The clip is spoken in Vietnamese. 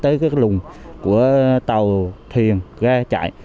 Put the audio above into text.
tới các lùng của tàu thiền ga chạy